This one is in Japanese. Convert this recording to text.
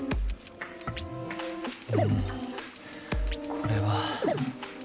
これは。